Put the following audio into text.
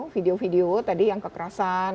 video video tadi yang kekerasan